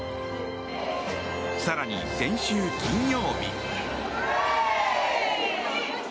更に先週金曜日。